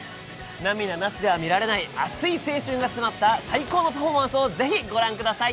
涙なしでは見られない熱い青春が詰まった最高のパフォーマンスをぜひ、ご覧ください。